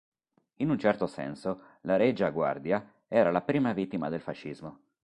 In un certo senso la Regia Guardia era la prima vittima del fascismo.